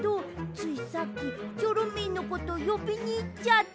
ついさっきチョロミーのことよびにいっちゃって。